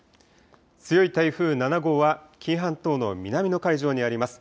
強い台風７号は紀伊半島の南の海上にあります。